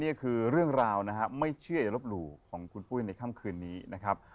นี่คือเรื่องราวนะฮะไม่เชื่ออย่าลบหลู่ของคุณปุ้ยในค่ำคืนนี้นะครับ